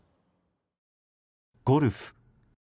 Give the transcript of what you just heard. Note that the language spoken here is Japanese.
ゴルフ。